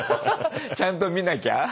ちゃんと見なきゃ。